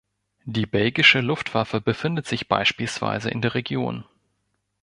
Die belgische Luftwaffe befindet sich beispielsweise in der Region.